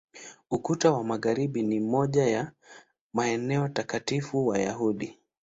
Ukuta wa Magharibi ni moja ya maeneo takatifu Wayahudi.